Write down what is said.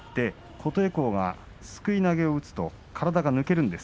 琴恵光がすくい投げを打つと体が抜けます。